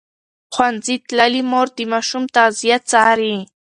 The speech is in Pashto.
ښوونځې تللې مور د ماشوم تغذیه څاري.